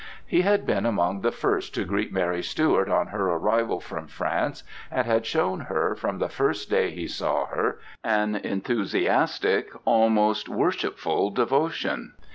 He had been among the first to greet Mary Stuart on her arrival from France and had shown her, from the first day he saw her, an enthusiastic, almost worshipful devotion.